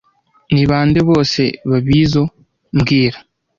Ni bande bose babizo mbwira